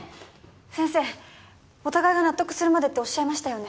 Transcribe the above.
先生お互いが納得するまでっておっしゃいましたよね？